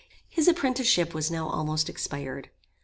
His apprenticeship was now almost expired.